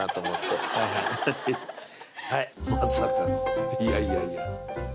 まさかのいやいやいや